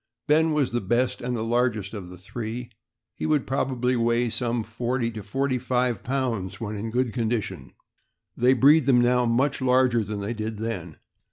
Ben was the best and largest of the three. He would prob ably weigh some forty to forty five pounds when in good condition. They breed them now much larger than they did then.